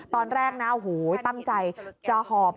ตอนแรกนะโอ้โหตั้งใจจะหอบ